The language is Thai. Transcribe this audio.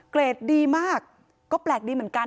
เกรดดีมากก็แปลกดีเหมือนกัน